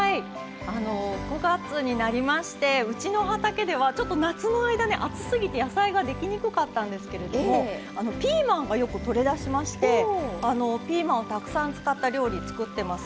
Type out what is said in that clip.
９月になりましてうちの畑では、ちょっと夏の間は暑すぎて野菜ができにくかったんですけれどもピーマンがよくとれだしましてピーマンをたくさん使った料理を作っています。